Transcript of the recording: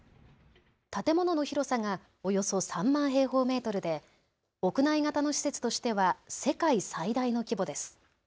建物の広さがおよそ３万平方メートルで屋内型の施設としては世界最大の規模です。